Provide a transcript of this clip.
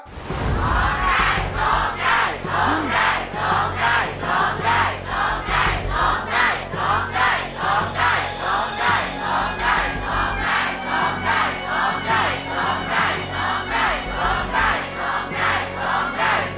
โทษใจโทษใจ